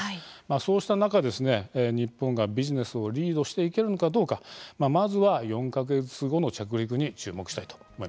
そうした中、日本がビジネスをリードしていけるのかどうかまずは、４か月後の着陸に注目したいと思います。